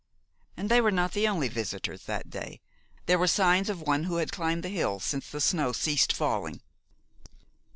And they were not the only visitors that day. There were signs of one who had climbed the hill since the snow ceased falling.